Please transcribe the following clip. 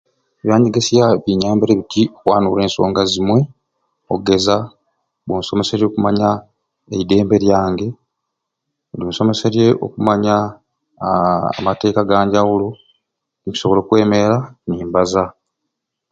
Ebyanyegesya binyambire biti okwanura ensonga ezimwei ogeza kunsomeserye okumanya eidembe lyange kusomeseeye okumanya haa amateeka aganjawulo nkusobola okwemira nimbaza